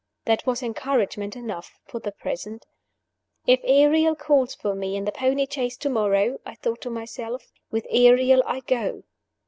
That was encouragement enough for the present. "If Ariel calls for me in the pony chaise to morrow," I thought to myself, "with Ariel I go."